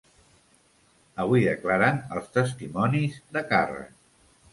Avui declaren els testimonis de càrrec.